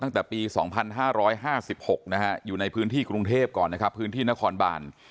ตั้งแต่ปี๒๕๕๖นะฮะอยู่ในพื้นที่กรุงเทพก่อนนะครับพื้นที่นครบาน